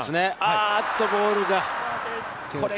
ああっとボールが。